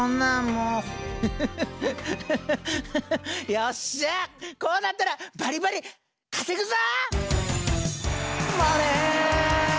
よっしゃこうなったらバリバリ稼ぐぞ！